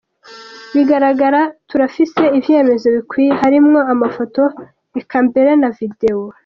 Biragaragara, turafise ivyemeza bikwiye harimwo amafoto eka mbere na Video.